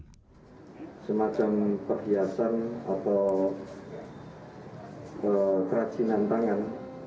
semacam perhiasan atau keracinan tangan